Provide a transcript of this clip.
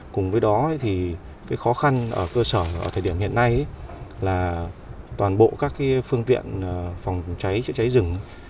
cùng với đó thì khó khăn ở cơ sở thời điểm hiện nay là toàn bộ các phương tiện phòng cháy chữa cháy rừng